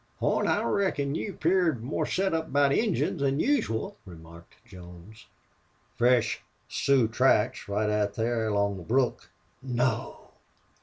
"Horn, I reckon you 'pear more set up about Injuns than usual," remarked Jones. "Fresh Sioux track right out thar along the brook." "No!"